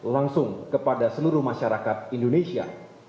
langsung kepada seluruh masyarakat indonesia